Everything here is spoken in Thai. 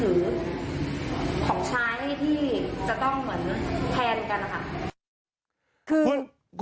ที่จะต้องแทนกันนะคะ